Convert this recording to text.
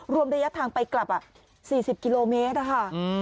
รวมระยะทางไปกลับ๔๐กิโลเมตรอะค่ะ